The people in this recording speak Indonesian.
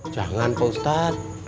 jangan pak ustadz